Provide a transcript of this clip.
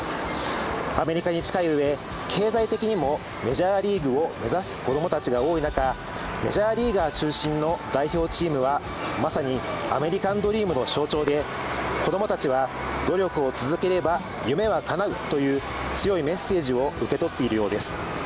アメリカに近いうえ、経済的にもメジャーリーグを目指す子供が多い中メジャーリーガー中心の代表チームはまさにアメリカン・ドリームの象徴で子供たちは、努力を続ければ夢はかなうという強いメッセージを受け取っているようです。